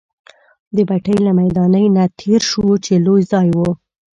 د بټۍ له میدانۍ نه تېر شوو، چې لوی ځای وو.